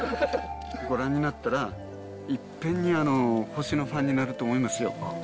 ご覧になったら、いっぺんに星のファンになると思いますよ。